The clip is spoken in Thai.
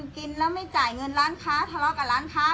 กินแล้วไม่จ่ายเงินร้านค้าทะเลาะกับร้านค้า